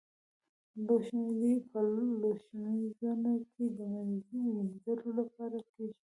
لوښي مې په لوښمینځوني کې د مينځلو لپاره کېښودل.